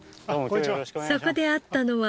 そこで会ったのは